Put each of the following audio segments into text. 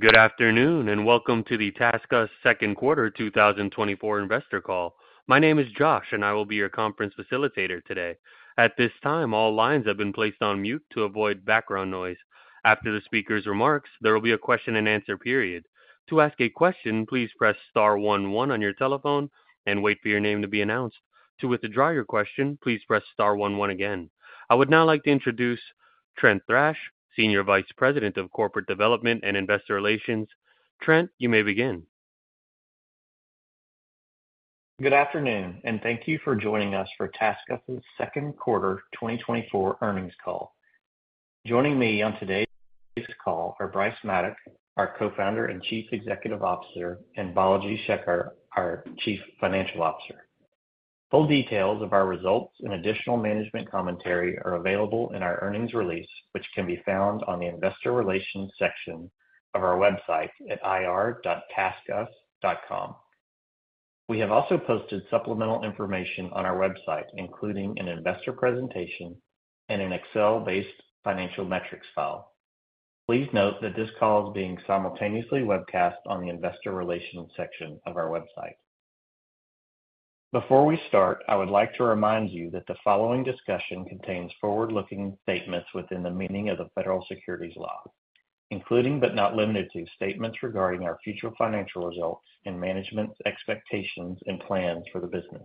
Good afternoon, and welcome to the TaskUs Second Quarter 2024 Investor Call. My name is Josh, and I will be your conference facilitator today. At this time, all lines have been placed on mute to avoid background noise. After the speaker's remarks, there will be a question and answer period. To ask a question, please press star one one on your telephone and wait for your name to be announced. To withdraw your question, please press star one one again. I would now like to introduce Trent Thrash, Senior Vice President of Corporate Development and Investor Relations. Trent, you may begin. Good afternoon, and thank you for joining us for TaskUs' Second Quarter 2024 Earnings Call. Joining me on today's call are Bryce Maddock, our Co-founder and Chief Executive Officer, and Balaji Sekar, our Chief Financial Officer. Full details of our results and additional management commentary are available in our earnings release, which can be found on the investor relations section of our website at ir.taskus.com. We have also posted supplemental information on our website, including an investor presentation and an Excel-based financial metrics file. Please note that this call is being simultaneously webcast on the investor relations section of our website. Before we start, I would like to remind you that the following discussion contains forward-looking statements within the meaning of the federal securities law, including but not limited to, statements regarding our future financial results and management's expectations and plans for the business.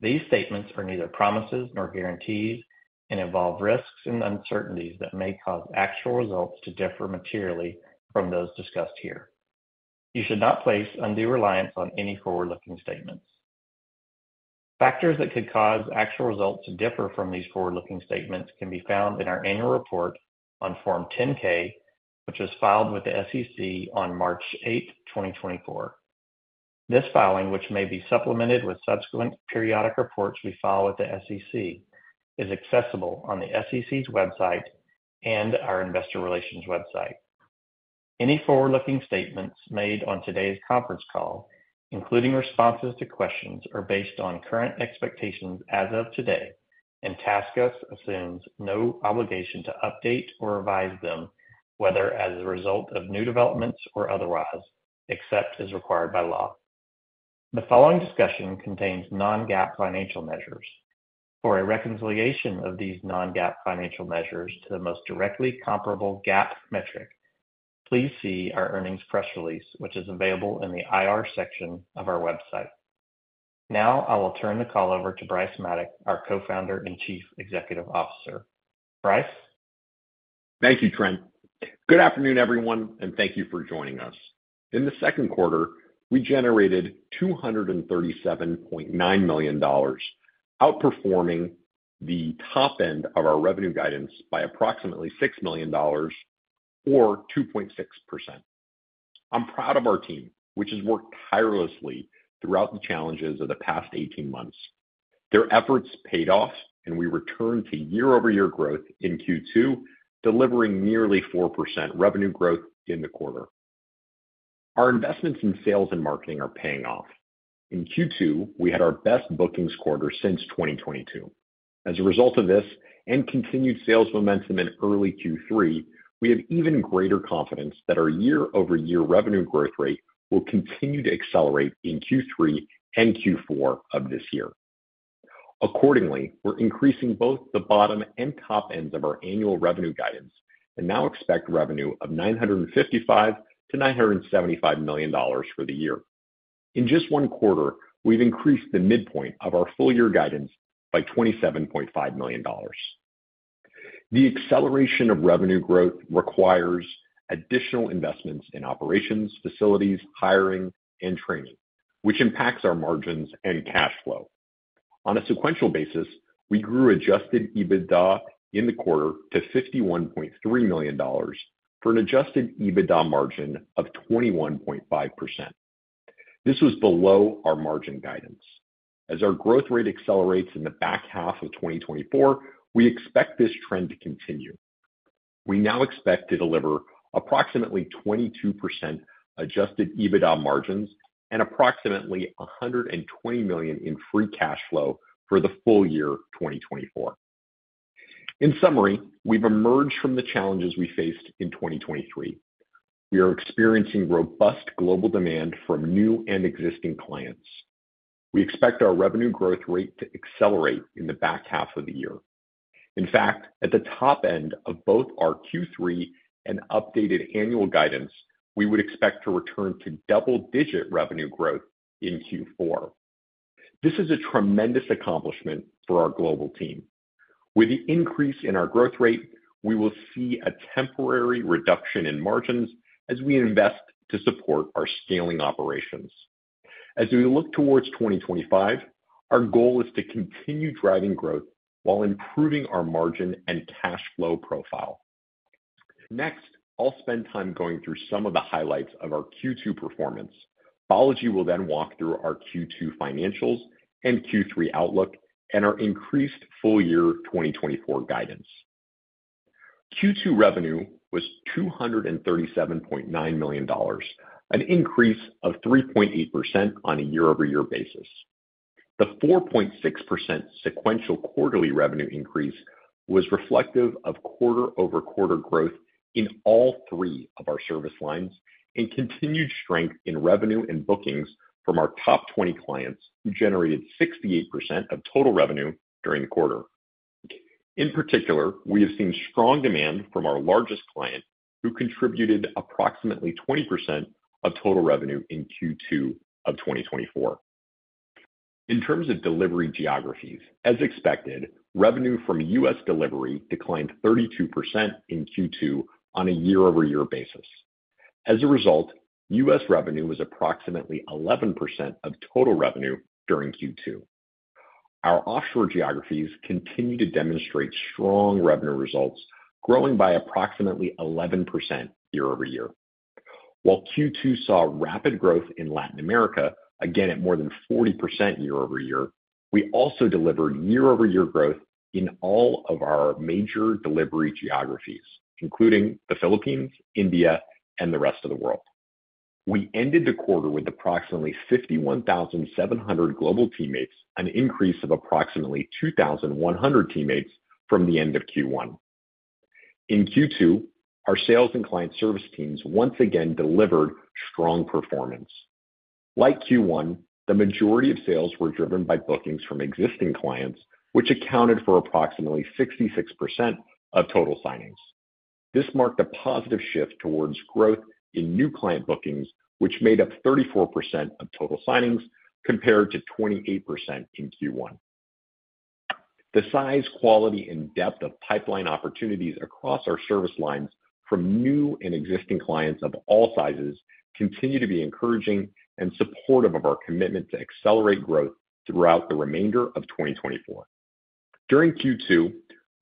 These statements are neither promises nor guarantees and involve risks and uncertainties that may cause actual results to differ materially from those discussed here. You should not place undue reliance on any forward-looking statements. Factors that could cause actual results to differ from these forward-looking statements can be found in our annual report on Form 10-K, which was filed with the SEC on March 8, 2024. This filing, which may be supplemented with subsequent periodic reports we file with the SEC, is accessible on the SEC's website and our investor relations website. Any forward-looking statements made on today's conference call, including responses to questions, are based on current expectations as of today, and TaskUs assumes no obligation to update or revise them, whether as a result of new developments or otherwise, except as required by law. The following discussion contains non-GAAP financial measures. For a reconciliation of these non-GAAP financial measures to the most directly comparable GAAP metric, please see our earnings press release, which is available in the IR section of our website. Now, I will turn the call over to Bryce Maddock, our Co-founder and Chief Executive Officer. Bryce? Thank you, Trent. Good afternoon, everyone, and thank you for joining us. In the second quarter, we generated $237.9 million, outperforming the top end of our revenue guidance by approximately $6 million or 2.6%. I'm proud of our team, which has worked tirelessly throughout the challenges of the past 18 months. Their efforts paid off, and we returned to year-over-year growth in Q2, delivering nearly 4% revenue growth in the quarter. Our investments in sales and marketing are paying off. In Q2, we had our best bookings quarter since 2022. As a result of this and continued sales momentum in early Q3, we have even greater confidence that our year-over-year revenue growth rate will continue to accelerate in Q3 and Q4 of this year. Accordingly, we're increasing both the bottom and top ends of our annual revenue guidance and now expect revenue of $955 million-$975 million for the year. In just one quarter, we've increased the midpoint of our full year guidance by $27.5 million. The acceleration of revenue growth requires additional investments in operations, facilities, hiring, and training, which impacts our margins and cash flow. On a sequential basis, we grew Adjusted EBITDA in the quarter to $51.3 million, for an Adjusted EBITDA margin of 21.5%. This was below our margin guidance. As our growth rate accelerates in the back half of 2024, we expect this trend to continue. We now expect to deliver approximately 22% Adjusted EBITDA margins and approximately $120 million in Free Cash Flow for the full year 2024. In summary, we've emerged from the challenges we faced in 2023. We are experiencing robust global demand from new and existing clients. We expect our revenue growth rate to accelerate in the back half of the year. In fact, at the top end of both our Q3 and updated annual guidance, we would expect to return to double-digit revenue growth in Q4. This is a tremendous accomplishment for our global team. With the increase in our growth rate, we will see a temporary reduction in margins as we invest to support our scaling operations. As we look towards 2025, our goal is to continue driving growth while improving our margin and cash flow profile. Next, I'll spend time going through some of the highlights of our Q2 performance. Balaji will then walk through our Q2 financials and Q3 outlook and our increased full year 2024 guidance. Q2 revenue was $237.9 million, an increase of 3.8% on a year-over-year basis.... The 4.6% sequential quarterly revenue increase was reflective of quarter-over-quarter growth in all three of our service lines and continued strength in revenue and bookings from our top 20 clients, who generated 68% of total revenue during the quarter. In particular, we have seen strong demand from our largest client, who contributed approximately 20% of total revenue in Q2 of 2024. In terms of delivery geographies, as expected, revenue from US delivery declined 32% in Q2 on a year-over-year basis. As a result, US revenue was approximately 11% of total revenue during Q2. Our offshore geographies continue to demonstrate strong revenue results, growing by approximately 11% year-over-year. While Q2 saw rapid growth in Latin America, again at more than 40% year-over-year, we also delivered year-over-year growth in all of our major delivery geographies, including the Philippines, India, and the rest of the world. We ended the quarter with approximately 51,700 global teammates, an increase of approximately 2,100 teammates from the end of Q1. In Q2, our sales and client service teams once again delivered strong performance. Like Q1, the majority of sales were driven by bookings from existing clients, which accounted for approximately 66% of total signings. This marked a positive shift towards growth in new client bookings, which made up 34% of total signings, compared to 28% in Q1. The size, quality, and depth of pipeline opportunities across our service lines from new and existing clients of all sizes continue to be encouraging and supportive of our commitment to accelerate growth throughout the remainder of 2024. During Q2,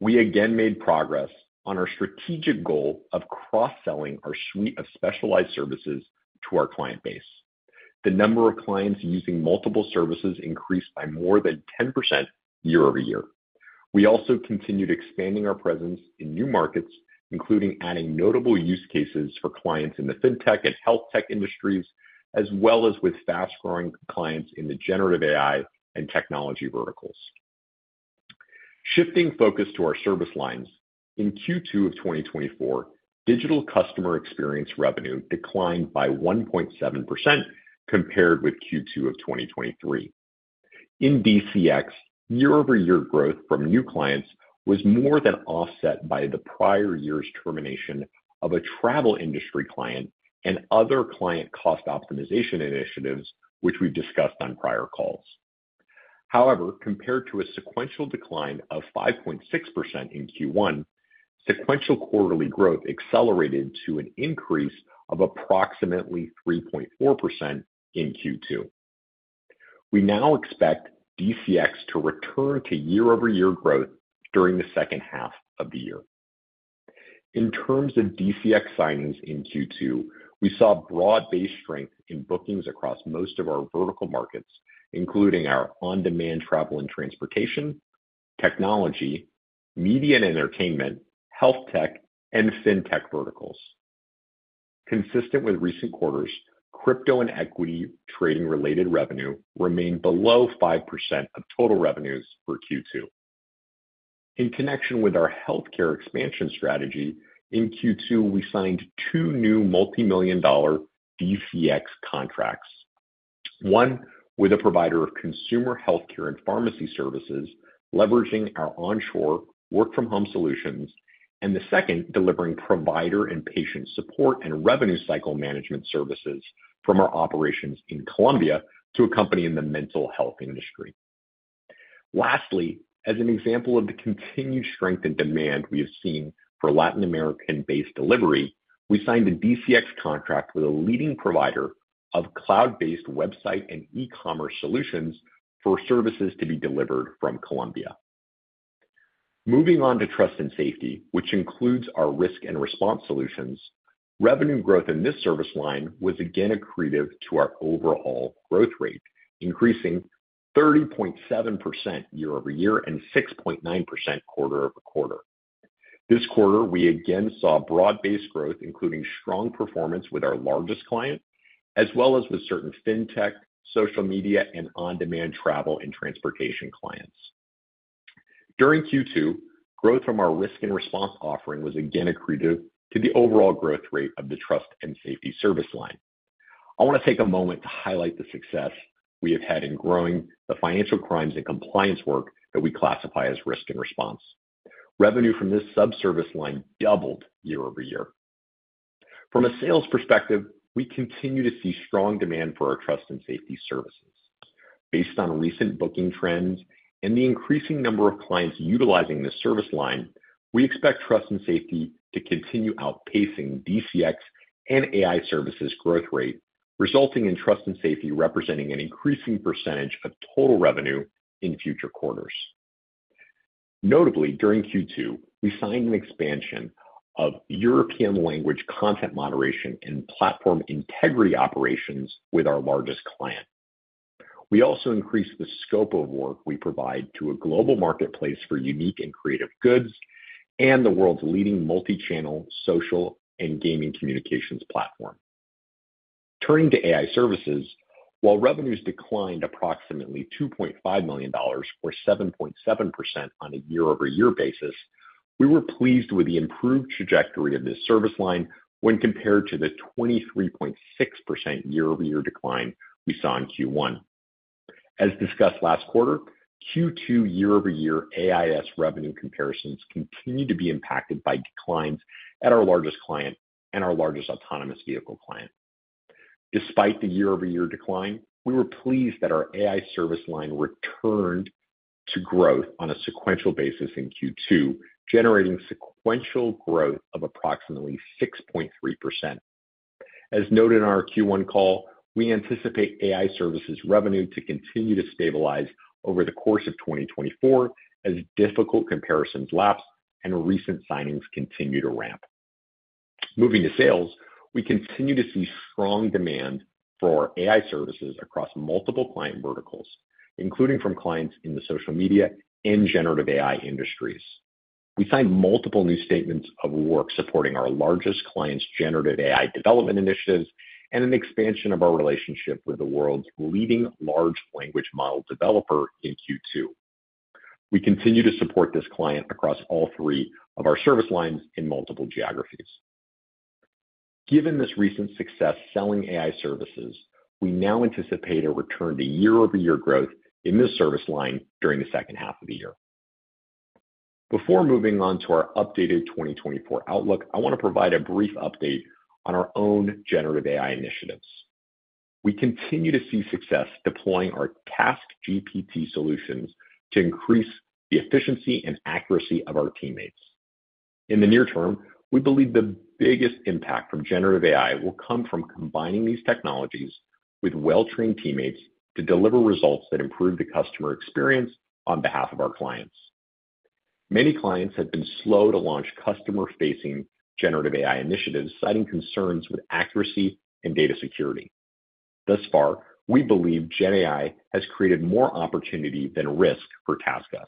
we again made progress on our strategic goal of cross-selling our suite of specialized services to our client base. The number of clients using multiple services increased by more than 10% year over year. We also continued expanding our presence in new markets, including adding notable use cases for clients in the fintech and health tech industries, as well as with fast-growing clients in the generative AI and technology verticals. Shifting focus to our service lines, in Q2 of 2024, Digital Customer Experience revenue declined by 1.7% compared with Q2 of 2023. In DCX, year-over-year growth from new clients was more than offset by the prior year's termination of a travel industry client and other client cost optimization initiatives, which we've discussed on prior calls. However, compared to a sequential decline of 5.6% in Q1, sequential quarterly growth accelerated to an increase of approximately 3.4% in Q2. We now expect DCX to return to year-over-year growth during the second half of the year. In terms of DCX signings in Q2, we saw broad-based strength in bookings across most of our vertical markets, including our on-demand travel and transportation, technology, media and entertainment, health tech, and fintech verticals. Consistent with recent quarters, crypto and equity trading-related revenue remained below 5% of total revenues for Q2. In connection with our healthcare expansion strategy, in Q2, we signed two new multimillion-dollar DCX contracts. One with a provider of consumer healthcare and pharmacy services, leveraging our onshore work-from-home solutions, and the second, delivering provider and patient support and revenue cycle management services from our operations in Colombia to a company in the mental health industry. Lastly, as an example of the continued strength and demand we have seen for Latin American-based delivery, we signed a DCX contract with a leading provider of cloud-based website and e-commerce solutions for services to be delivered from Colombia. Moving on to Trust and Safety, which includes our Risk and Response solutions, revenue growth in this service line was again accretive to our overall growth rate, increasing 30.7% year-over-year and 6.9% quarter-over-quarter. This quarter, we again saw broad-based growth, including strong performance with our largest client, as well as with certain fintech, social media, and on-demand travel and transportation clients. During Q2, growth from our Risk and Response offering was again accretive to the overall growth rate of the Trust and Safety service line. I want to take a moment to highlight the success we have had in growing the financial crimes and compliance work that we classify as Risk and Response. Revenue from this sub-service line doubled year-over-year. From a sales perspective, we continue to see strong demand for our Trust and Safety services. Based on recent booking trends and the increasing number of clients utilizing this service line, we expect Trust and Safety to continue outpacing DCX and AI Services growth rate, resulting in Trust and Safety representing an increasing percentage of total revenue in future quarters. Notably, during Q2, we signed an expansion of European language content moderation and platform integrity operations with our largest client. We also increased the scope of work we provide to a global marketplace for unique and creative goods and the world's leading multi-channel social and gaming communications platform.... Turning to AI Services, while revenues declined approximately $2.5 million, or 7.7% on a year-over-year basis, we were pleased with the improved trajectory of this service line when compared to the 23.6% year-over-year decline we saw in Q1. As discussed last quarter, Q2 year-over-year AI Services revenue comparisons continued to be impacted by declines at our largest client and our largest autonomous vehicle client. Despite the year-over-year decline, we were pleased that our AI Services service line returned to growth on a sequential basis in Q2, generating sequential growth of approximately 6.3%. As noted in our Q1 call, we anticipate AI Services revenue to continue to stabilize over the course of 2024 as difficult comparisons lapse and recent signings continue to ramp. Moving to sales, we continue to see strong demand for our AI Services across multiple client verticals, including from clients in the social media and generative AI industries. We signed multiple new statements of work supporting our largest clients' generative AI development initiatives and an expansion of our relationship with the world's leading large language model developer in Q2. We continue to support this client across all three of our service lines in multiple geographies. Given this recent success selling AI services, we now anticipate a return to year-over-year growth in this service line during the second half of the year. Before moving on to our updated 2024 outlook, I want to provide a brief update on our own generative AI initiatives. We continue to see success deploying our TaskGPT solutions to increase the efficiency and accuracy of our teammates. In the near term, we believe the biggest impact from generative AI will come from combining these technologies with well-trained teammates to deliver results that improve the customer experience on behalf of our clients. Many clients have been slow to launch customer-facing generative AI initiatives, citing concerns with accuracy and data security. Thus far, we believe GenAI has created more opportunity than risk for TaskUs.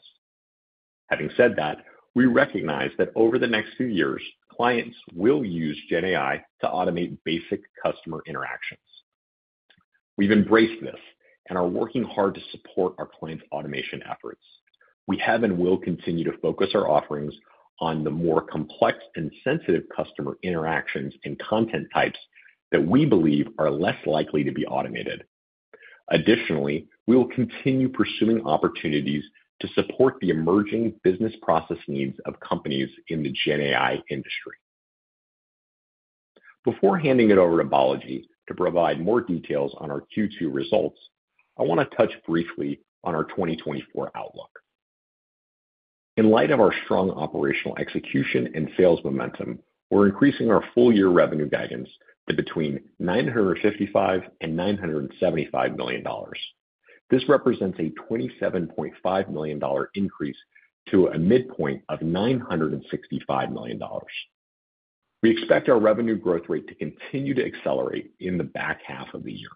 Having said that, we recognize that over the next few years, clients will use GenAI to automate basic customer interactions. We've embraced this and are working hard to support our clients' automation efforts. We have and will continue to focus our offerings on the more complex and sensitive customer interactions and content types that we believe are less likely to be automated. Additionally, we will continue pursuing opportunities to support the emerging business process needs of companies in the GenAI industry. Before handing it over to Balaji to provide more details on our Q2 results, I want to touch briefly on our 2024 outlook. In light of our strong operational execution and sales momentum, we're increasing our full-year revenue guidance to between $955 million and $975 million. This represents a $27.5 million increase to a midpoint of $965 million. We expect our revenue growth rate to continue to accelerate in the back half of the year.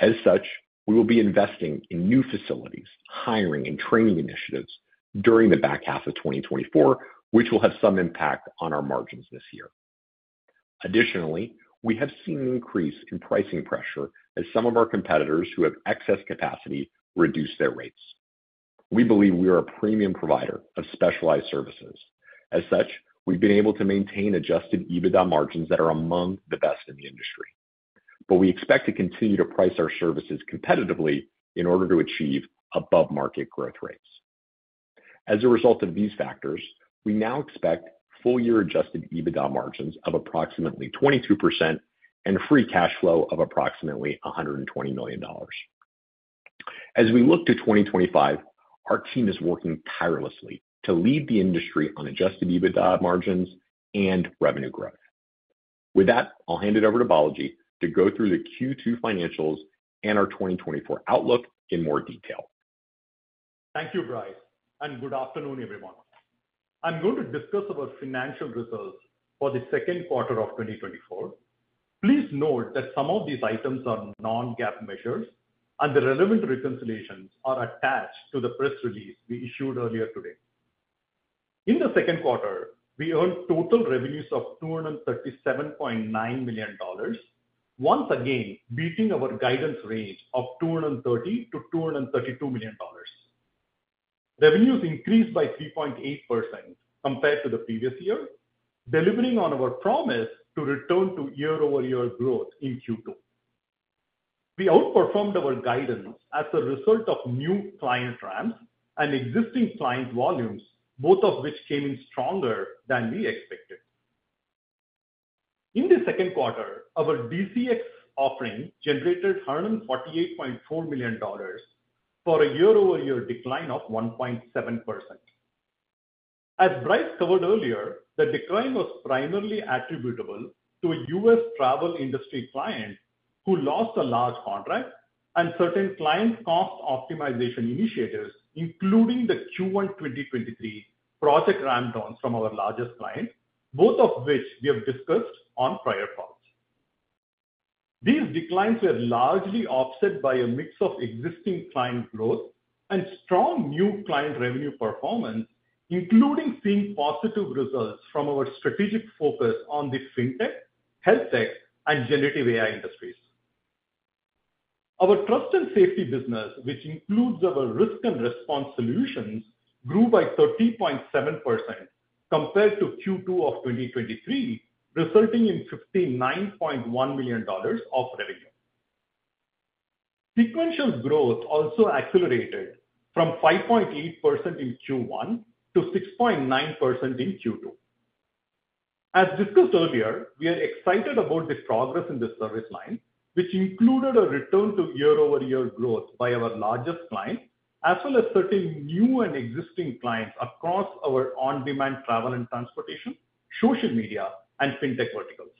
As such, we will be investing in new facilities, hiring and training initiatives during the back half of 2024, which will have some impact on our margins this year. Additionally, we have seen an increase in pricing pressure as some of our competitors who have excess capacity reduce their rates. We believe we are a premium provider of specialized services. As such, we've been able to maintain Adjusted EBITDA margins that are among the best in the industry. But we expect to continue to price our services competitively in order to achieve above-market growth rates. As a result of these factors, we now expect full-year adjusted EBITDA margins of approximately 22% and free cash flow of approximately $120 million. As we look to 2025, our team is working tirelessly to lead the industry on adjusted EBITDA margins and revenue growth. With that, I'll hand it over to Balaji to go through the Q2 financials and our 2024 outlook in more detail. Thank you, Bryce, and good afternoon, everyone. I'm going to discuss our financial results for the second quarter of 2024. Please note that some of these items are non-GAAP measures, and the relevant reconciliations are attached to the press release we issued earlier today. In the second quarter, we earned total revenues of $237.9 million, once again beating our guidance range of $230 million-$232 million. Revenues increased by 3.8% compared to the previous year, delivering on our promise to return to year-over-year growth in Q2. We outperformed our guidance as a result of new client ramp and existing client volumes, both of which came in stronger than we expected. In the second quarter, our DCX offering generated $448.4 million, for a year-over-year decline of 1.7%. As Bryce covered earlier, the decline was primarily attributable to a US travel industry client who lost a large contract and certain client cost optimization initiatives, including the Q1 2023 project ramp downs from our largest client, both of which we have discussed on prior calls. These declines were largely offset by a mix of existing client growth and strong new client revenue performance, including seeing positive results from our strategic focus on the Fintech, Healthtech, and generative AI industries. Our Trust and Safety business, which includes our Risk and Response solutions, grew by 13.7% compared to Q2 of 2023, resulting in $59.1 million of revenue. Sequential growth also accelerated from 5.8% in Q1-6.9% in Q2. As discussed earlier, we are excited about the progress in this service line, which included a return to year-over-year growth by our largest client, as well as certain new and existing clients across our on-demand travel and transportation, social media, and Fintech verticals.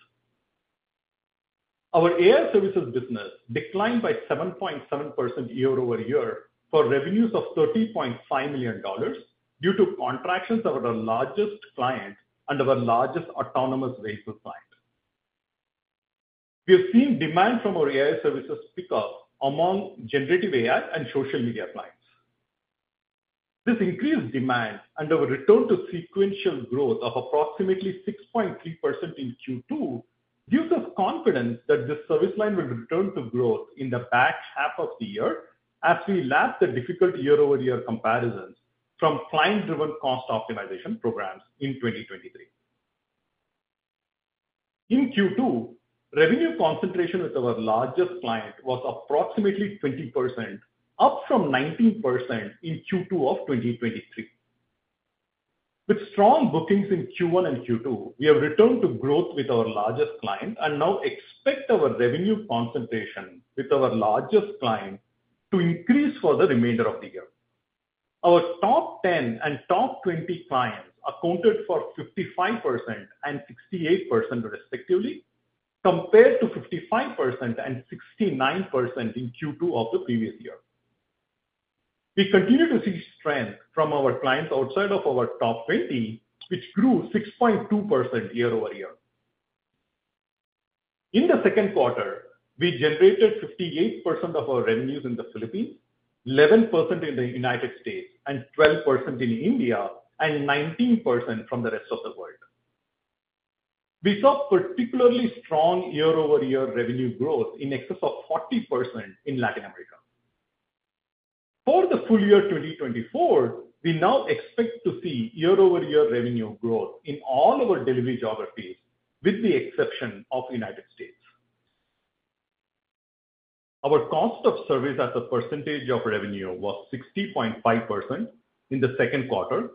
Our AI services business declined by 7.7% year over year for revenues of $30.5 million due to contractions of our largest client and our largest autonomous vehicle client. We have seen demand from our AI services pick up among generative AI and social media clients. This increased demand and our return to sequential growth of approximately 6.3% in Q2, gives us confidence that this service line will return to growth in the back half of the year as we lap the difficult year-over-year comparisons from client-driven cost optimization programs in 2023. In Q2, revenue concentration with our largest client was approximately 20%, up from 19% in Q2 of 2023. With strong bookings in Q1 and Q2, we have returned to growth with our largest client and now expect our revenue concentration with our largest client to increase for the remainder of the year. Our top 10 and top 20 clients accounted for 55% and 68%, respectively, compared to 55% and 69% in Q2 of the previous year. We continue to see strength from our clients outside of our top twenty, which grew 6.2% year-over-year. In the second quarter, we generated 58% of our revenues in the Philippines, 11% in the United States, and 12% in India, and 19% from the rest of the world. We saw particularly strong year-over-year revenue growth in excess of 40% in Latin America. For the full year 2024, we now expect to see year-over-year revenue growth in all our delivery geographies, with the exception of United States. Our cost of service as a percentage of revenue was 60.5% in the second quarter,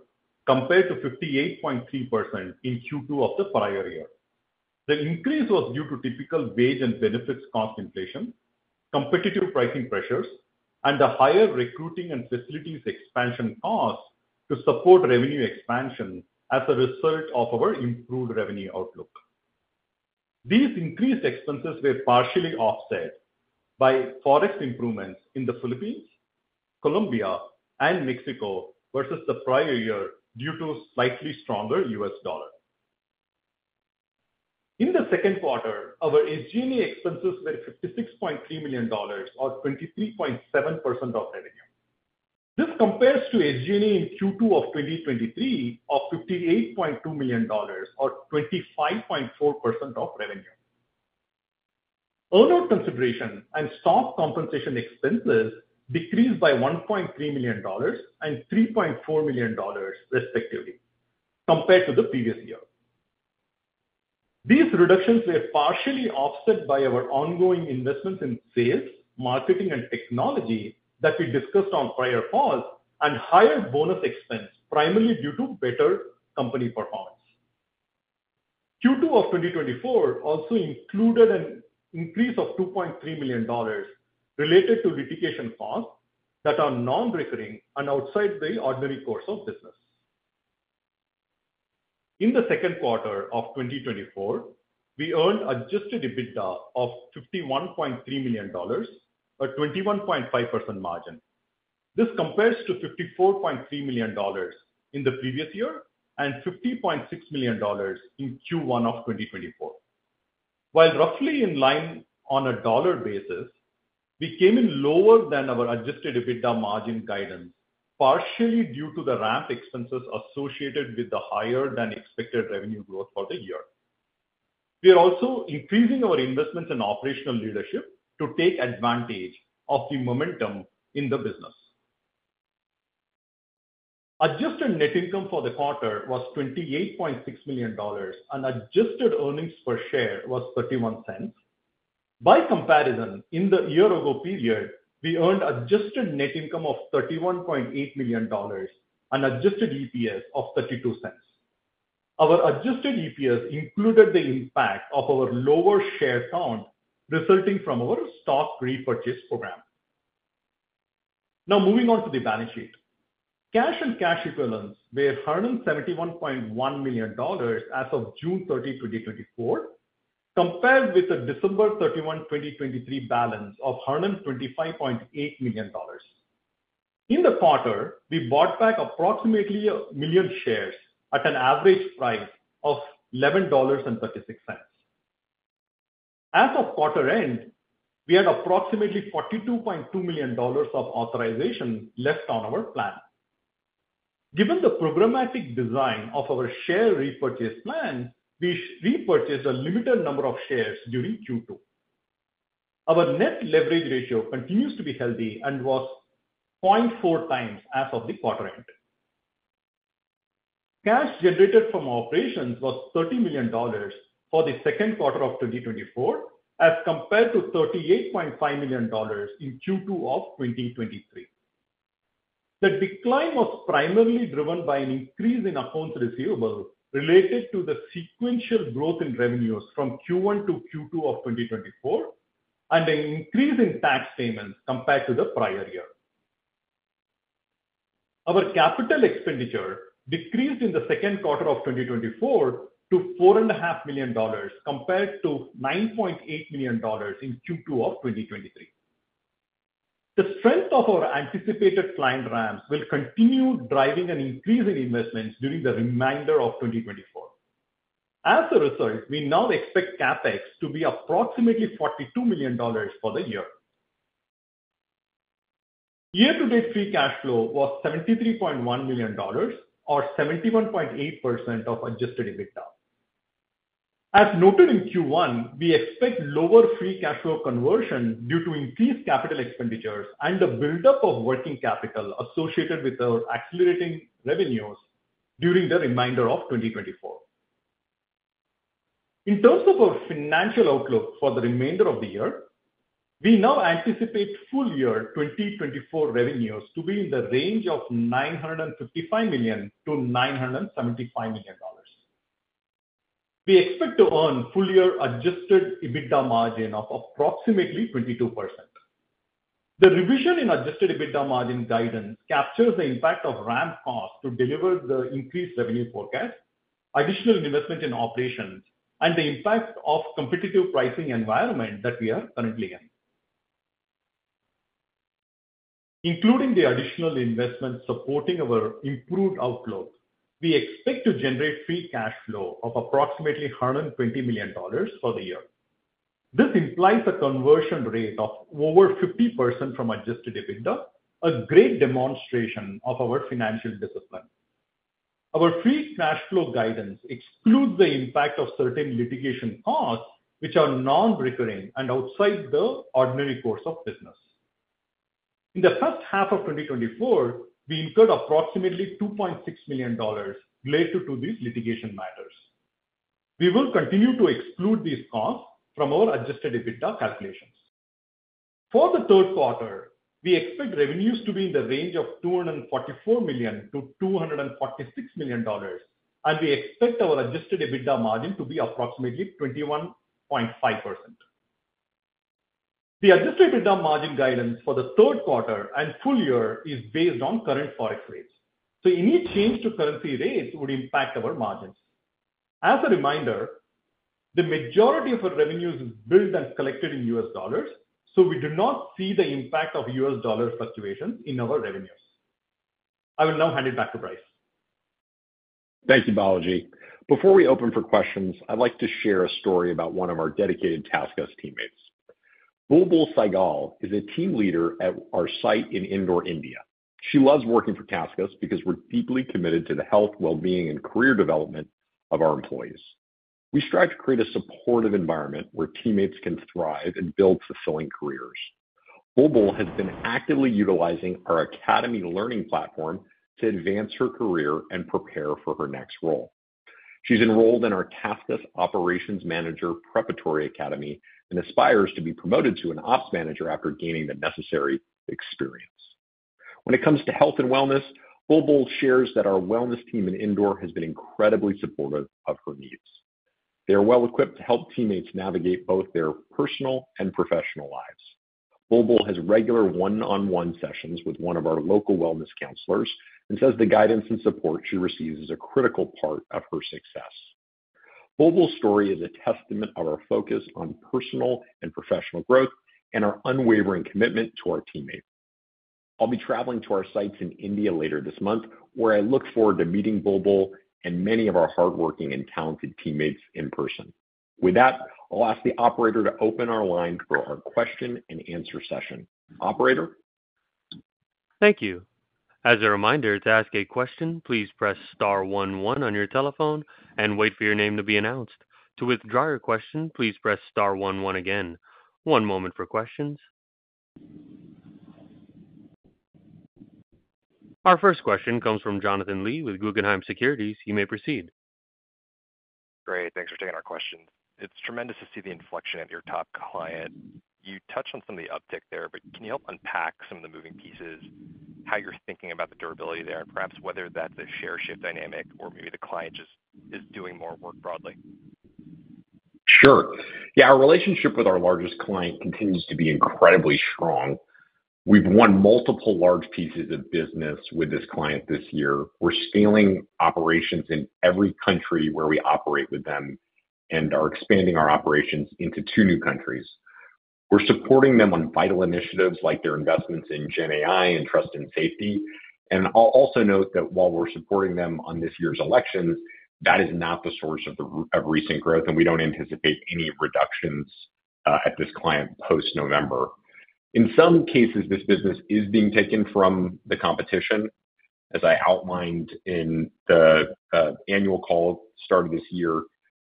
compared to 58.3% in Q2 of the prior year. The increase was due to typical wage and benefits cost inflation, competitive pricing pressures, and the higher recruiting and facilities expansion costs to support revenue expansion as a result of our improved revenue outlook. These increased expenses were partially offset by forex improvements in the Philippines, Colombia and Mexico versus the prior year due to slightly stronger US dollar. In the second quarter, our SG&A expenses were $56.3 million or 23.7% of revenue. This compares to SG&A in Q2 of 2023 of $58.2 million or 25.4% of revenue. Earnout consideration and stock compensation expenses decreased by $1.3 million and $3.4 million, respectively, compared to the previous year. These reductions were partially offset by our ongoing investments in sales, marketing, and technology that we discussed on prior calls, and higher bonus expense, primarily due to better company performance. Q2 of 2024 also included an increase of $2.3 million related to litigation costs that are non-recurring and outside the ordinary course of business. In the second quarter of 2024, we earned adjusted EBITDA of $51.3 million, a 21.5% margin. This compares to $54.3 million in the previous year and $50.6 million in Q1 of 2024. While roughly in line on a dollar basis, we came in lower than our adjusted EBITDA margin guidance, partially due to the ramp expenses associated with the higher-than-expected revenue growth for the year. We are also increasing our investments in operational leadership to take advantage of the momentum in the business. Adjusted Net Income for the quarter was $28.6 million, and adjusted earnings per share was $0.31. By comparison, in the year-ago period, we earned Adjusted Net Income of $31.8 million and Adjusted EPS of $0.32. Our Adjusted EPS included the impact of our lower share count, resulting from our stock repurchase program. Now moving on to the balance sheet. Cash and cash equivalents were $171.1 million as of June 30, 2024, compared with the December 31, 2023, balance of $125.8 million. In the quarter, we bought back approximately 1 million shares at an average price of $11.36. As of quarter end, we had approximately $42.2 million of authorization left on our plan. Given the programmatic design of our share repurchase plan, we repurchased a limited number of shares during Q2. Our net leverage ratio continues to be healthy and was 0.4 times as of the quarter end. Cash generated from operations was $30 million for the second quarter of 2024, as compared to $38.5 million in Q2 of 2023. The decline was primarily driven by an increase in accounts receivable related to the sequential growth in revenues from Q1 to Q2 of 2024, and an increase in tax payments compared to the prior year. Our capital expenditure decreased in the second quarter of 2024 to $4.5 million, compared to $9.8 million in Q2 of 2023. The strength of our anticipated client ramps will continue driving an increase in investments during the remainder of 2024. As a result, we now expect CapEx to be approximately $42 million for the year. Year-to-date Free Cash Flow was $73.1 million, or 71.8% of Adjusted EBITDA. As noted in Q1, we expect lower Free Cash Flow conversion due to increased capital expenditures and the buildup of working capital associated with our accelerating revenues during the remainder of 2024. In terms of our financial outlook for the remainder of the year, we now anticipate full year 2024 revenues to be in the range of $955 million-$975 million. We expect to earn full year Adjusted EBITDA margin of approximately 22%. The revision in Adjusted EBITDA margin guidance captures the impact of ramp costs to deliver the increased revenue forecast, additional investment in operations, and the impact of competitive pricing environment that we are currently in. Including the additional investment supporting our improved outlook, we expect to generate free cash flow of approximately $120 million for the year. This implies a conversion rate of over 50% from Adjusted EBITDA, a great demonstration of our financial discipline. Our free cash flow guidance excludes the impact of certain litigation costs, which are non-recurring and outside the ordinary course of business. In the first half of 2024, we incurred approximately $2.6 million related to these litigation matters. We will continue to exclude these costs from our adjusted EBITDA calculations. For the third quarter, we expect revenues to be in the range of $244 million-$246 million, and we expect our adjusted EBITDA margin to be approximately 21.5%. The adjusted EBITDA margin guidance for the third quarter and full year is based on current Forex rates, so any change to currency rates would impact our margins. As a reminder, the majority of our revenues is billed and collected in U.S. dollars, so we do not see the impact of U.S. dollar fluctuations in our revenues. I will now hand it back to Bryce. Thank you, Balaji. Before we open for questions, I'd like to share a story about one of our dedicated TaskUs teammates. Bulbul Saigal is a team leader at our site in Indore, India. She loves working for TaskUs because we're deeply committed to the health, wellbeing, and career development of our employees. We strive to create a supportive environment where teammates can thrive and build fulfilling careers. Bulbul has been actively utilizing our academy learning platform to advance her career and prepare for her next role. She's enrolled in our TaskUs Operations Manager Preparatory Academy and aspires to be promoted to an ops manager after gaining the necessary experience. When it comes to health and wellness, Bulbul shares that our wellness team in Indore has been incredibly supportive of her needs. They are well-equipped to help teammates navigate both their personal and professional lives. Bulbul has regular one-on-one sessions with one of our local wellness counselors and says the guidance and support she receives is a critical part of her success. Bulbul's story is a testament of our focus on personal and professional growth and our unwavering commitment to our teammates. I'll be traveling to our sites in India later this month, where I look forward to meeting Bulbul and many of our hardworking and talented teammates in person. With that, I'll ask the operator to open our line for our question-and-answer session. Operator? Thank you. As a reminder, to ask a question, please press star one one on your telephone and wait for your name to be announced. To withdraw your question, please press star one one again. One moment for questions. Our first question comes from Jonathan Lee with Guggenheim Securities. You may proceed. Great, thanks for taking our question. It's tremendous to see the inflection at your top client. You touched on some of the uptick there, but can you help unpack some of the moving pieces, how you're thinking about the durability there, and perhaps whether that's a share shift dynamic or maybe the client just is doing more work broadly? Sure. Yeah, our relationship with our largest client continues to be incredibly strong. We've won multiple large pieces of business with this client this year. We're scaling operations in every country where we operate with them and are expanding our operations into two new countries. We're supporting them on vital initiatives like their investments in GenAI and trust and safety. And I'll also note that while we're supporting them on this year's elections, that is not the source of recent growth, and we don't anticipate any reductions at this client post-November. In some cases, this business is being taken from the competition. As I outlined in the annual call start of this year,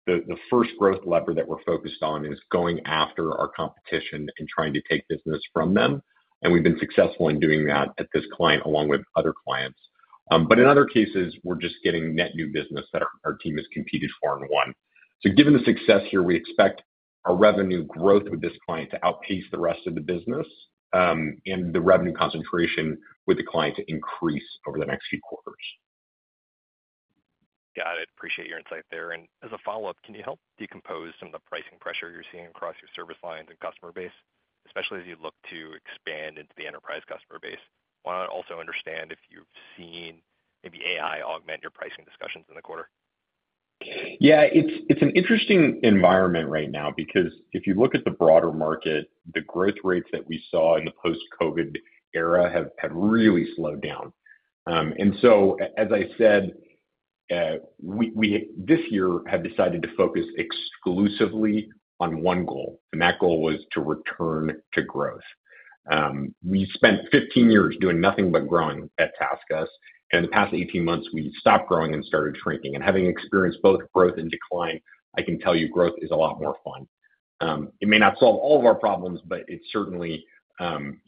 the first growth lever that we're focused on is going after our competition and trying to take business from them, and we've been successful in doing that at this client, along with other clients. But in other cases, we're just getting net new business that our team has competed for and won. So given the success here, we expect our revenue growth with this client to outpace the rest of the business, and the revenue concentration with the client to increase over the next few quarters. Got it. Appreciate your insight there. As a follow-up, can you help decompose some of the pricing pressure you're seeing across your service lines and customer base, especially as you look to expand into the enterprise customer base? Want to also understand if you've seen maybe AI augment your pricing discussions in the quarter. Yeah, it's an interesting environment right now, because if you look at the broader market, the growth rates that we saw in the post-COVID era have really slowed down. And so as I said, we this year have decided to focus exclusively on one goal, and that goal was to return to growth. We spent 15 years doing nothing but growing at TaskUs, and in the past 18 months, we stopped growing and started shrinking. And having experienced both growth and decline, I can tell you growth is a lot more fun. It may not solve all of our problems, but it certainly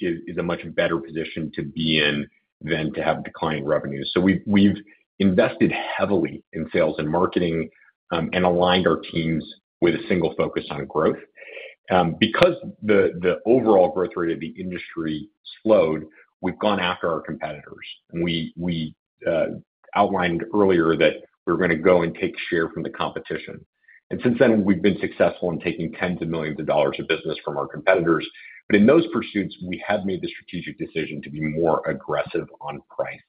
is a much better position to be in than to have declining revenues. So we've invested heavily in sales and marketing, and aligned our teams with a single focus on growth. Because the overall growth rate of the industry slowed, we've gone after our competitors, and we outlined earlier that we're gonna go and take share from the competition. Since then, we've been successful in taking tens of millions of dollars of business from our competitors. But in those pursuits, we have made the strategic decision to be more aggressive on price.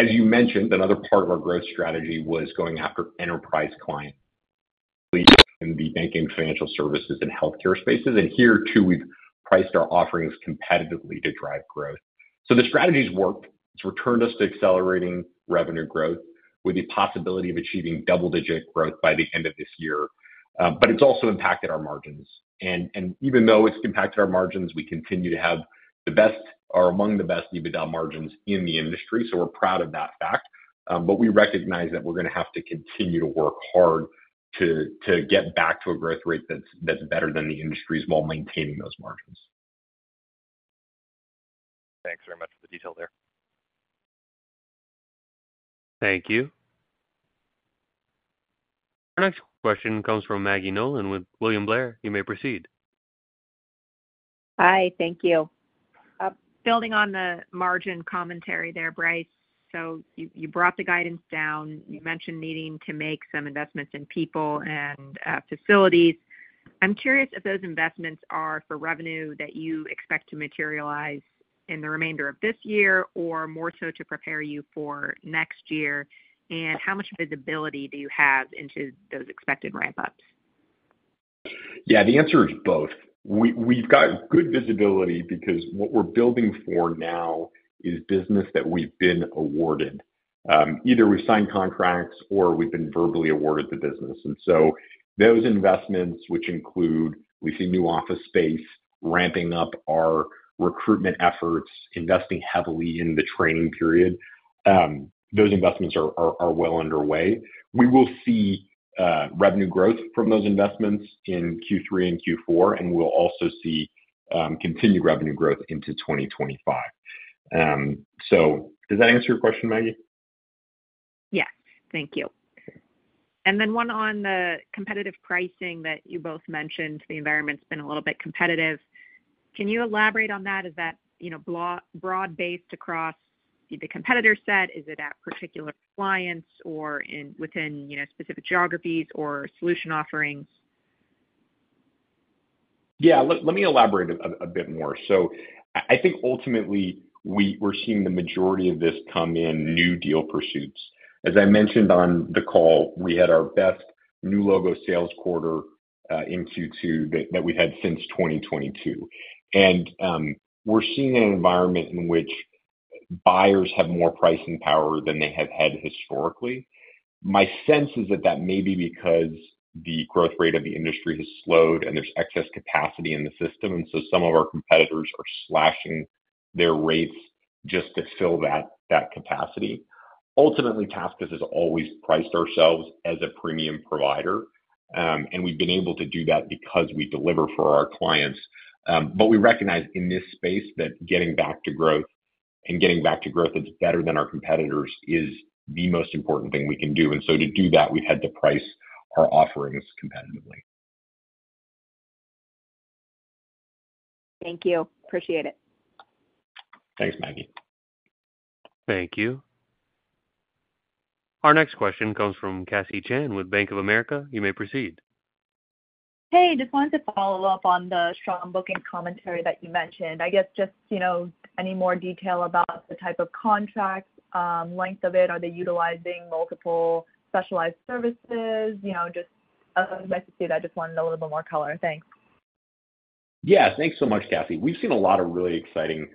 As you mentioned, another part of our growth strategy was going after enterprise clients in the banking, financial services and healthcare spaces, and here, too, we've priced our offerings competitively to drive growth. So the strategy's worked. It's returned us to accelerating revenue growth with the possibility of achieving double-digit growth by the end of this year. But it's also impacted our margins. Even though it's impacted our margins, we continue to have the best or among the best EBITDA margins in the industry, so we're proud of that fact. But we recognize that we're gonna have to continue to work hard to get back to a growth rate that's better than the industry's, while maintaining those margins. Thanks very much for the detail there. Thank you. Our next question comes from Maggie Nolan with William Blair. You may proceed. Hi, thank you. Building on the margin commentary there, Bryce, so you, you brought the guidance down. You mentioned needing to make some investments in people and facilities. I'm curious if those investments are for revenue that you expect to materialize in the remainder of this year or more so to prepare you for next year, and how much visibility do you have into those expected ramp-ups? Yeah, the answer is both. We've got good visibility because what we're building for now is business that we've been awarded. Either we've signed contracts or we've been verbally awarded the business. And so those investments, which include we see new office space, ramping up our recruitment efforts, investing heavily in the training period, those investments are well underway. We will see revenue growth from those investments in Q3 and Q4, and we'll also see continued revenue growth into 2025. So does that answer your question, Maggie? Yes. Thank you. And then one on the competitive pricing that you both mentioned. The environment's been a little bit competitive. Can you elaborate on that? Is that, you know, broad-based across the competitor set? Is it at particular clients or in, within, you know, specific geographies or solution offerings? Yeah, let me elaborate a bit more. So I think ultimately, we're seeing the majority of this come in new deal pursuits. As I mentioned on the call, we had our best new logo sales quarter in Q2 that we've had since 2022. And we're seeing an environment in which buyers have more pricing power than they have had historically. My sense is that that may be because the growth rate of the industry has slowed and there's excess capacity in the system, and so some of our competitors are slashing their rates just to fill that capacity. Ultimately, TaskUs has always priced ourselves as a premium provider, and we've been able to do that because we deliver for our clients. But we recognize in this space that getting back to growth and getting back to growth that's better than our competitors is the most important thing we can do. And so to do that, we've had to price our offerings competitively. Thank you. Appreciate it. Thanks, Maggie. Thank you. Our next question comes from Cassie Chan with Bank of America. You may proceed. Hey, just wanted to follow up on the strong booking commentary that you mentioned. I guess just, you know, any more detail about the type of contracts, length of it? Are they utilizing multiple specialized services? You know, just, as I said, I just wanted a little bit more color. Thanks.... Yeah, thanks so much, Cassie. We've seen a lot of really exciting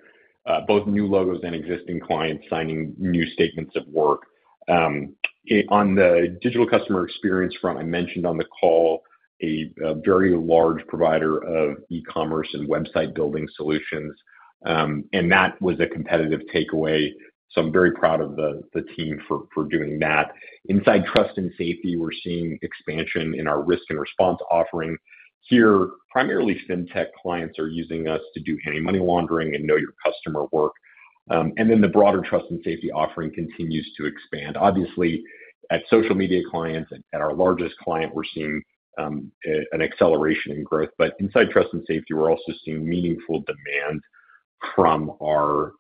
both new logos and existing clients signing new statements of work. On the Digital Customer Experience front, I mentioned on the call a very large provider of e-commerce and website building solutions, and that was a competitive takeaway, so I'm very proud of the team for doing that. Inside Trust and Safety, we're seeing expansion in our Risk and Response offering. Here, primarily, Fintech clients are using us to do anti-money laundering and know your customer work. And then the broader Trust and Safety offering continues to expand. Obviously, at social media clients and at our largest client, we're seeing an acceleration in growth. But inside Trust and Safety, we're also seeing meaningful demand from our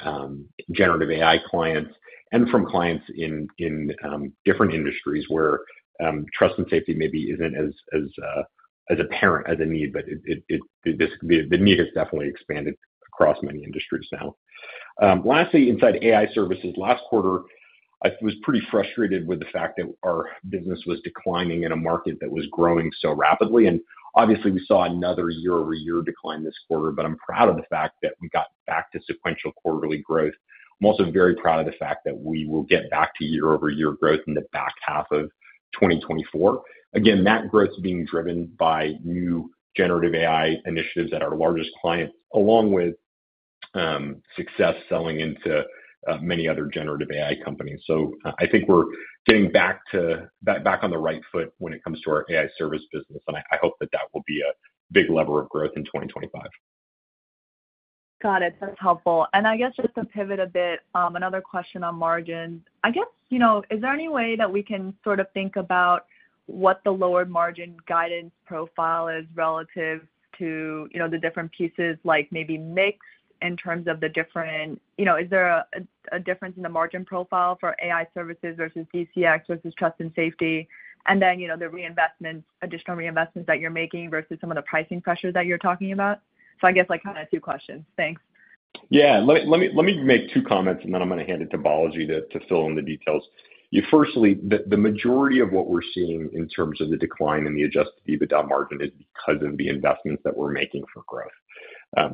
generative AI clients and from clients in different industries where Trust and Safety maybe isn't as apparent as a need, but the need has definitely expanded across many industries now. Lastly, inside AI Services, last quarter, I was pretty frustrated with the fact that our business was declining in a market that was growing so rapidly, and obviously we saw another year-over-year decline this quarter, but I'm proud of the fact that we got back to sequential quarterly growth. I'm also very proud of the fact that we will get back to year-over-year growth in the back half of 2024. Again, that growth is being driven by new generative AI initiatives at our largest client, along with success selling into many other generative AI companies. So I think we're getting back on the right foot when it comes to our AI service business, and I hope that that will be a big lever of growth in 2025. Got it. That's helpful. And I guess just to pivot a bit, another question on margins. I guess, you know, is there any way that we can sort of think about what the lower margin guidance profile is relative to, you know, the different pieces, like maybe mix in terms of the different... You know, is there a, a difference in the margin profile for AI services versus DCX versus trust and safety, and then, you know, the reinvestments, additional reinvestments that you're making versus some of the pricing pressures that you're talking about? So I guess, like, two questions. Thanks. Yeah. Let me make two comments, and then I'm gonna hand it to Balaji to fill in the details. Firstly, the majority of what we're seeing in terms of the decline in the Adjusted EBITDA margin is because of the investments that we're making for growth.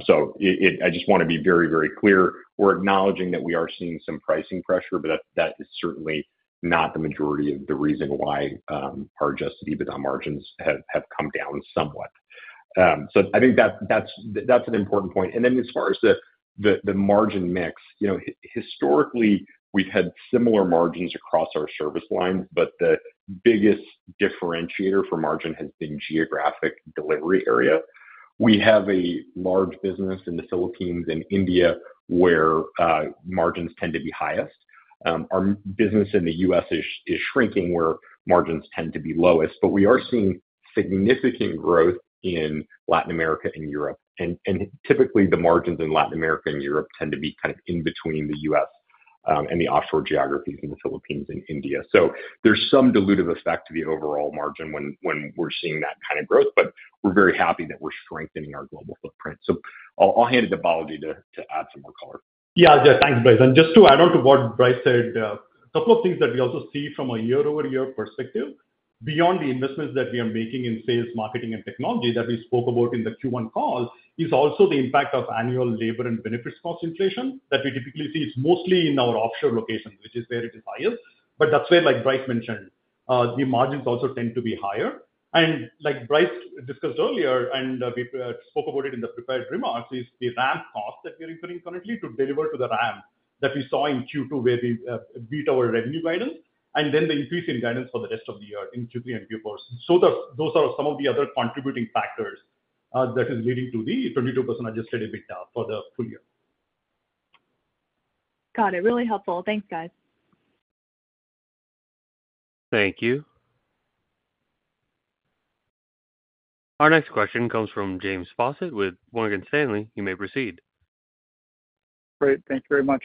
So I just want to be very, very clear, we're acknowledging that we are seeing some pricing pressure, but that is certainly not the majority of the reason why our Adjusted EBITDA margins have come down somewhat. So I think that's an important point. And then as far as the margin mix, you know, historically, we've had similar margins across our service lines, but the biggest differentiator for margin has been geographic delivery area. We have a large business in the Philippines and India, where margins tend to be highest. Our business in the U.S. is shrinking, where margins tend to be lowest, but we are seeing significant growth in Latin America and Europe. And typically the margins in Latin America and Europe tend to be kind of in between the U.S. and the offshore geographies in the Philippines and India. So there's some dilutive effect to the overall margin when we're seeing that kind of growth, but we're very happy that we're strengthening our global footprint. So I'll hand it to Balaji to add some more color. Yeah, thanks, Bryce. And just to add on to what Bryce said, a couple of things that we also see from a year-over-year perspective, beyond the investments that we are making in sales, marketing, and technology that we spoke about in the Q1 call, is also the impact of annual labor and benefits cost inflation that we typically see is mostly in our offshore locations, which is where it is highest. But that's where, like Bryce mentioned, the margins also tend to be higher. And like Bryce discussed earlier, and we spoke about it in the prepared remarks, is the ramp cost that we are incurring currently to deliver to the ramp that we saw in Q2, where we beat our revenue guidance, and then the increase in guidance for the rest of the year in Q3 and Q4. So those are some of the other contributing factors that is leading to the 22% Adjusted EBITDA for the full year. Got it. Really helpful. Thanks, guys. Thank you. Our next question comes from James Faucette with Morgan Stanley. You may proceed. Great. Thank you very much.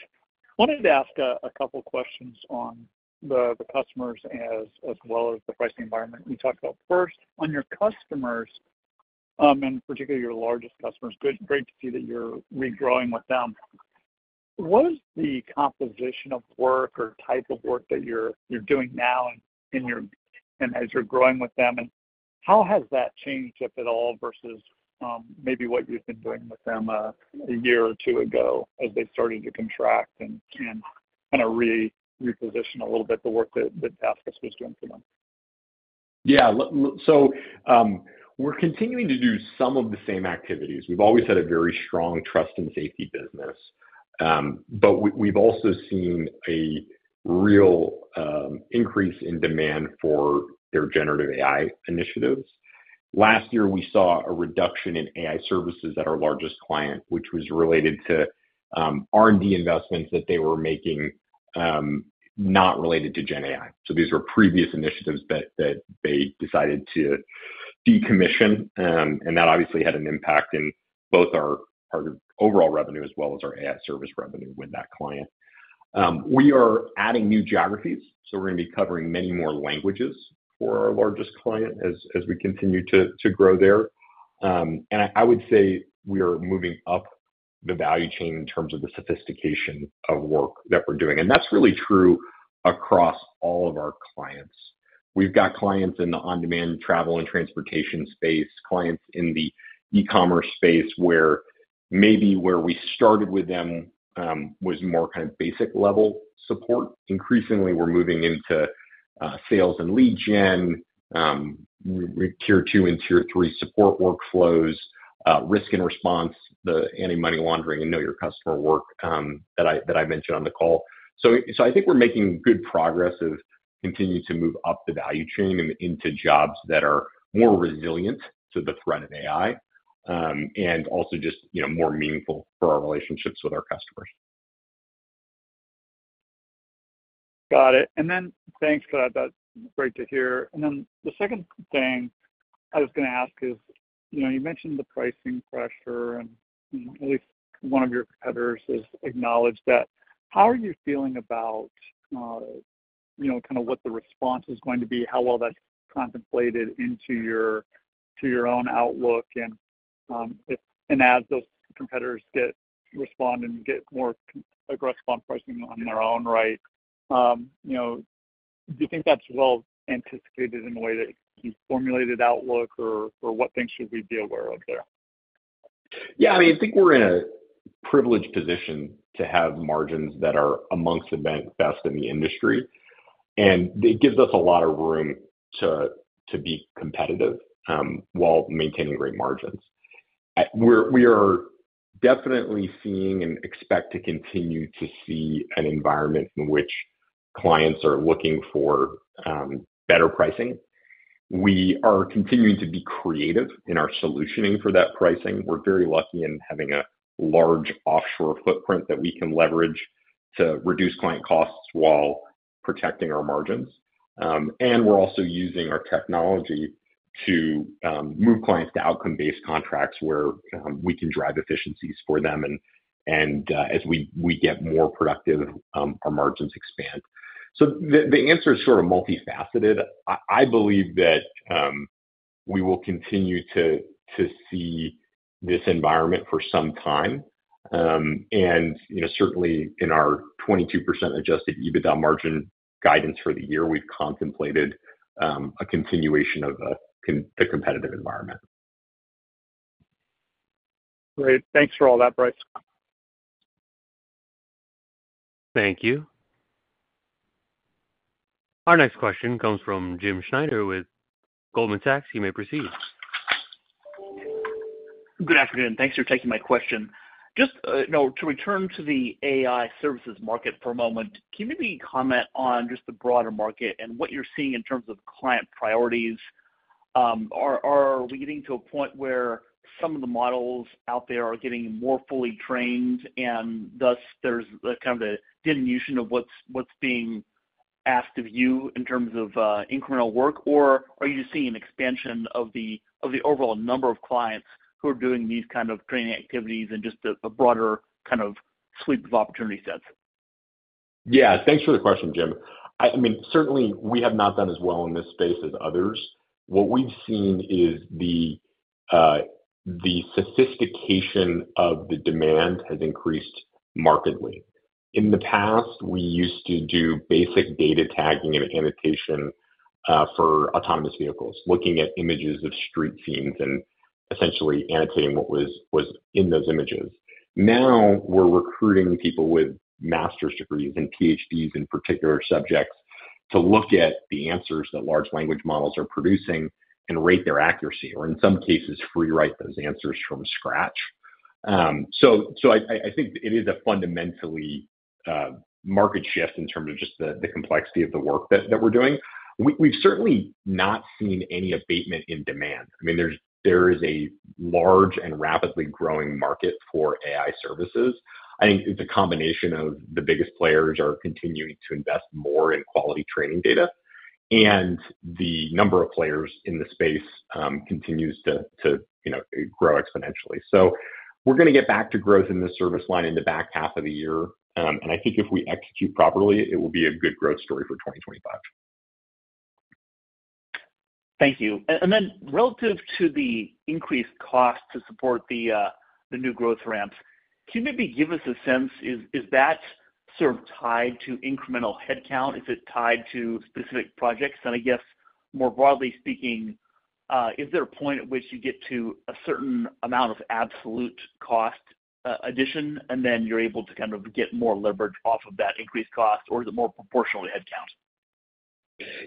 Wanted to ask a couple questions on the customers as well as the pricing environment you talked about. First, on your customers, and particularly your largest customers, great to see that you're regrowing with them. What is the composition of work or type of work that you're doing now in your... and as you're growing with them, and how has that changed, if at all, versus maybe what you've been doing with them, a year or two ago, as they started to contract and kind of reposition a little bit the work that TaskUs was doing for them? Yeah. So, we're continuing to do some of the same activities. We've always had a very strong Trust and Safety business. But we've also seen a real increase in demand for their generative AI initiatives. Last year, we saw a reduction in AI Services at our largest client, which was related to R&D investments that they were making, not related to GenAI. So these were previous initiatives that they decided to decommission, and that obviously had an impact in both our overall revenue as well as our AI Services revenue with that client. We are adding new geographies, so we're gonna be covering many more languages for our largest client as we continue to grow there. And I would say we are moving up-... the value chain in terms of the sophistication of work that we're doing. And that's really true across all of our clients. We've got clients in the on-demand travel and transportation space, clients in the e-commerce space, where maybe where we started with them was more kind of basic-level support. Increasingly, we're moving into sales and lead gen, tier 2 and tier 3 support workflows, Risk and Response, the anti-money laundering, and know your customer work that I mentioned on the call. So I think we're making good progress of continuing to move up the value chain and into jobs that are more resilient to the threat of AI and also just, you know, more meaningful for our relationships with our customers. Got it. And then, thanks for that. That's great to hear. And then, the second thing I was gonna ask is, you know, you mentioned the pricing pressure and at least one of your competitors has acknowledged that. How are you feeling about, you know, kind of what the response is going to be, how well that's contemplated into your, to your own outlook? And, if and as those competitors get, respond and get more aggressive on pricing on their own right, you know, do you think that's well anticipated in the way that you formulated outlook, or what things should we be aware of there? Yeah, I mean, I think we're in a privileged position to have margins that are among the best in the industry, and it gives us a lot of room to be competitive while maintaining great margins. We are definitely seeing and expect to continue to see an environment in which clients are looking for better pricing. We are continuing to be creative in our solutioning for that pricing. We're very lucky in having a large offshore footprint that we can leverage to reduce client costs while protecting our margins. And we're also using our technology to move clients to outcome-based contracts, where we can drive efficiencies for them. And as we get more productive, our margins expand. So the answer is sort of multifaceted. I believe that we will continue to see this environment for some time. And, you know, certainly in our 22% adjusted EBITDA margin guidance for the year, we've contemplated a continuation of a competitive environment. Great. Thanks for all that, Bryce. Thank you. Our next question comes from Jim Schneider with Goldman Sachs. You may proceed. Good afternoon. Thanks for taking my question. Just, you know, to return to the AI services market for a moment, can you maybe comment on just the broader market and what you're seeing in terms of client priorities? Are we getting to a point where some of the models out there are getting more fully trained, and thus there's kind of a diminution of what's being asked of you in terms of incremental work, or are you seeing an expansion of the overall number of clients who are doing these kind of training activities and just a broader kind of sweep of opportunity sets? Yeah, thanks for the question, Jim. I mean, certainly we have not done as well in this space as others. What we've seen is the sophistication of the demand has increased markedly. In the past, we used to do basic data tagging and annotation for autonomous vehicles, looking at images of street scenes and essentially annotating what was in those images. Now, we're recruiting people with master's degrees and PhDs in particular subjects to look at the answers that large language models are producing and rate their accuracy, or in some cases, rewrite those answers from scratch. I think it is a fundamentally market shift in terms of just the complexity of the work that we're doing. We've certainly not seen any abatement in demand. I mean, there is a large and rapidly growing market for AI services. I think it's a combination of the biggest players are continuing to invest more in quality training data, and the number of players in the space continues to you know grow exponentially. So we're gonna get back to growth in this service line in the back half of the year. And I think if we execute properly, it will be a good growth story for 2025. Thank you. And then relative to the increased cost to support the new growth ramps, can you maybe give us a sense, is that sort of tied to incremental headcount? Is it tied to specific projects? And I guess, more broadly speaking, is there a point at which you get to a certain amount of absolute cost addition, and then you're able to kind of get more leverage off of that increased cost, or is it more proportionally headcount?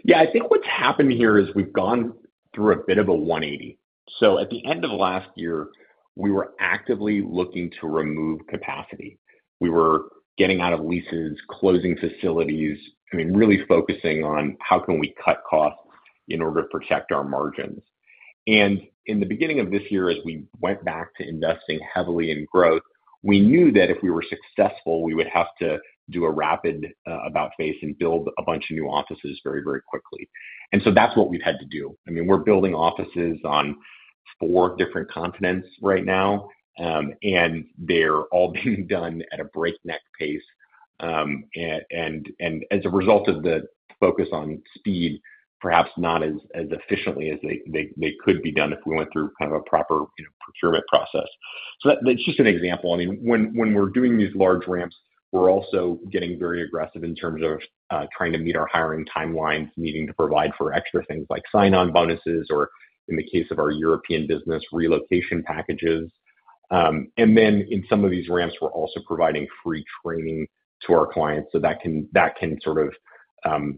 Yeah, I think what's happened here is we've gone through a bit of a 180. So at the end of last year, we were actively looking to remove capacity. We were getting out of leases, closing facilities, I mean, really focusing on how can we cut costs in order to protect our margins. And in the beginning of this year, as we went back to investing heavily in growth, we knew that if we were successful, we would have to do a rapid about-face and build a bunch of new offices very, very quickly. And so that's what we've had to do. I mean, we're building offices on four different continents right now, and they're all being done at a breakneck pace… As a result of the focus on speed, perhaps not as efficiently as they could be done if we went through kind of a proper, you know, procurement process. So that's just an example. I mean, when we're doing these large ramps, we're also getting very aggressive in terms of trying to meet our hiring timelines, needing to provide for extra things like sign-on bonuses, or in the case of our European business, relocation packages. And then in some of these ramps, we're also providing free training to our clients, so that can sort of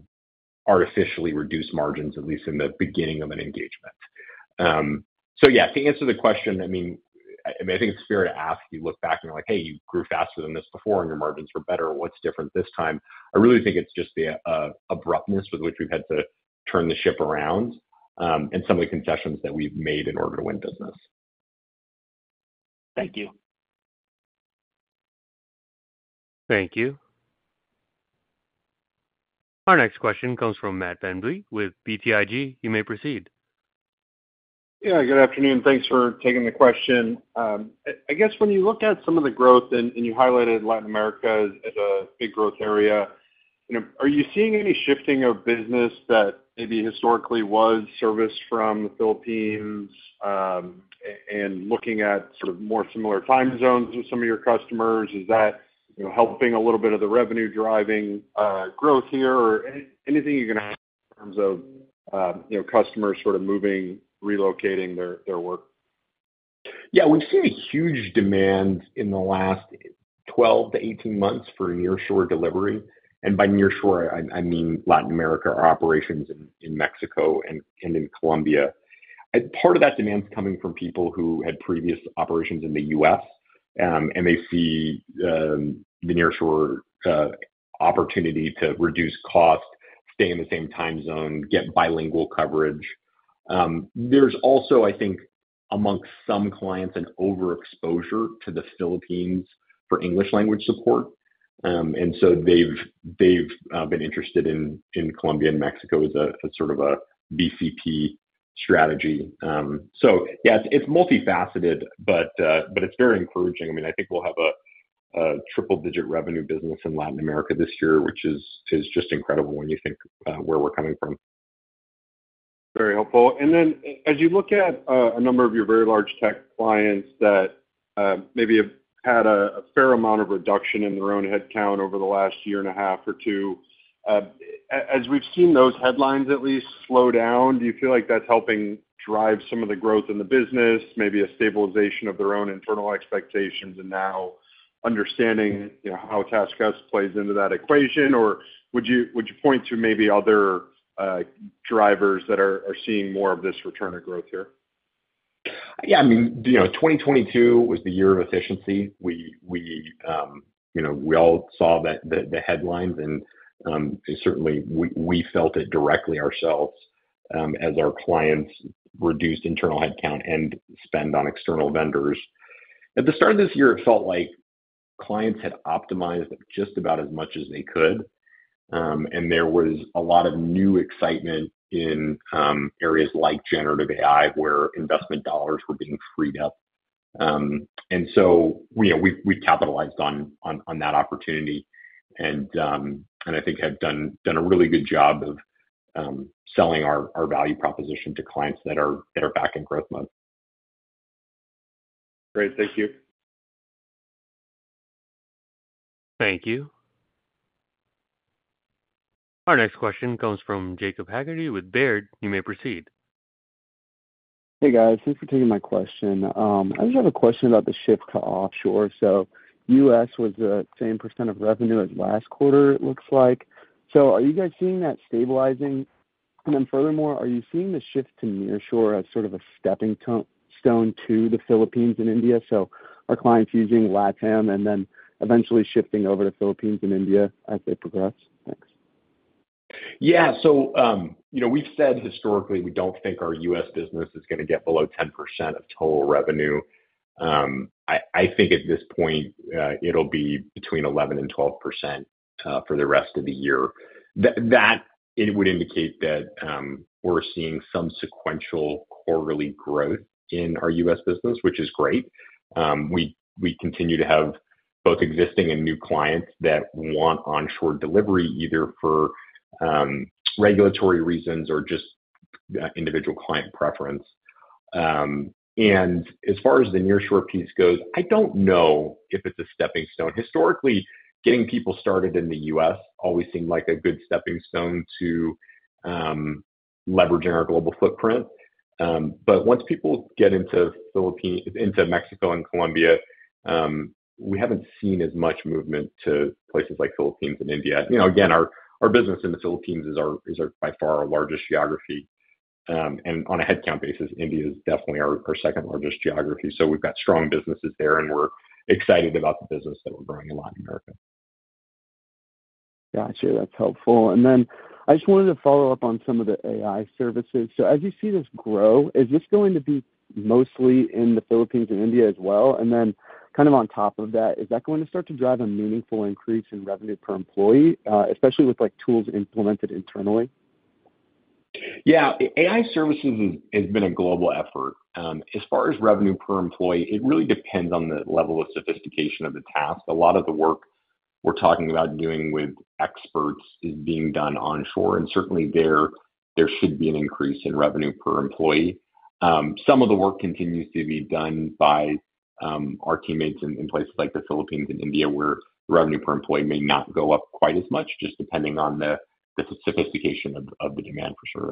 artificially reduce margins, at least in the beginning of an engagement. So yeah, to answer the question, I mean, I think it's fair to ask. You look back and you're like: "Hey, you grew faster than this before, and your margins were better. What's different this time?" I really think it's just the abruptness with which we've had to turn the ship around, and some of the concessions that we've made in order to win business. Thank you. Thank you. Our next question comes from Matt VanVliet with BTIG. You may proceed. Yeah, good afternoon. Thanks for taking the question. I guess when you look at some of the growth, and you highlighted Latin America as a big growth area, you know, are you seeing any shifting of business that maybe historically was serviced from the Philippines, and looking at sort of more similar time zones with some of your customers? Is that, you know, helping a little bit of the revenue-driving growth here, or anything you can add in terms of, you know, customers sort of moving, relocating their work? Yeah, we've seen a huge demand in the last 12-18 months for nearshore delivery, and by nearshore, I mean Latin America, our operations in Mexico and in Colombia. Part of that demand is coming from people who had previous operations in the US, and they see the nearshore opportunity to reduce cost, stay in the same time zone, get bilingual coverage. There's also, I think, amongst some clients, an overexposure to the Philippines for English language support. And so they've been interested in Colombia and Mexico as sort of a BCP strategy. So yeah, it's multifaceted, but it's very encouraging. I mean, I think we'll have a triple-digit revenue business in Latin America this year, which is just incredible when you think where we're coming from. Very helpful. And then as you look at a number of your very large tech clients that maybe have had a fair amount of reduction in their own headcount over the last year and a half or two, as we've seen those headlines at least slow down, do you feel like that's helping drive some of the growth in the business, maybe a stabilization of their own internal expectations, and now understanding, you know, how TaskUs plays into that equation? Or would you point to maybe other drivers that are seeing more of this return of growth here? Yeah, I mean, you know, 2022 was the year of efficiency. We, you know, we all saw the headlines and, certainly, we felt it directly ourselves, as our clients reduced internal headcount and spend on external vendors. At the start of this year, it felt like clients had optimized just about as much as they could, and there was a lot of new excitement in, areas like generative AI, where investment dollars were being freed up. And so, you know, we capitalized on that opportunity and, I think have done a really good job of, selling our value proposition to clients that are back in growth mode. Great. Thank you. Thank you. Our next question comes from Jacob Haggerty with Baird. You may proceed. Hey, guys. Thanks for taking my question. I just have a question about the shift to offshore. So US was the same % of revenue as last quarter, it looks like. So are you guys seeing that stabilizing? And then furthermore, are you seeing the shift to nearshore as sort of a stepping-stone to the Philippines and India? So are clients using LatAm and then eventually shifting over to Philippines and India as they progress? Thanks. Yeah. So, you know, we've said historically, we don't think our US business is gonna get below 10% of total revenue. I think at this point, it'll be between 11% and 12% for the rest of the year. That it would indicate that we're seeing some sequential quarterly growth in our US business, which is great. We continue to have both existing and new clients that want onshore delivery, either for regulatory reasons or just individual client preference. And as far as the nearshore piece goes, I don't know if it's a stepping stone. Historically, getting people started in the US always seemed like a good stepping stone to leveraging our global footprint. But once people get into Philippines... into Mexico and Colombia, we haven't seen as much movement to places like Philippines and India. You know, again, our, our business in the Philippines is our, is by far our largest geography. And on a headcount basis, India is definitely our, our second-largest geography. So we've got strong businesses there, and we're excited about the business that we're growing in Latin America. Got you. That's helpful. And then I just wanted to follow up on some of the AI services. So as you see this grow, is this going to be mostly in the Philippines and India as well? And then kind of on top of that, is that going to start to drive a meaningful increase in revenue per employee, especially with, like, tools implemented internally? Yeah, AI Services has been a global effort. As far as revenue per employee, it really depends on the level of sophistication of the task. A lot of the work we're talking about doing with experts is being done onshore, and certainly there should be an increase in revenue per employee. Some of the work continues to be done by our teammates in places like the Philippines and India, where revenue per employee may not go up quite as much, just depending on the sophistication of the demand for service.